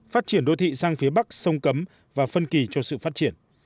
phát triển đô thị sang phía bắc sông cấm và phân kỳ cho sự phát triển